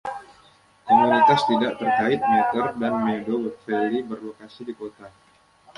Komunitas tidak terkait Mather dan Meadow Valley berlokasi di kota.